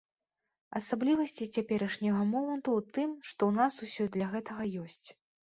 Асаблівасці цяперашняга моманту ў тым, што ў нас ўсё для гэтага ёсць.